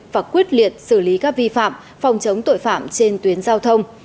và quyết liệt xử lý các vi phạm phòng chống tội phạm trên tuyến giao thông